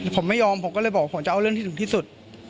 ผมไม่ยอมผมก็เลยบอกว่าผมจะเอาเรื่องที่ถึงที่สุด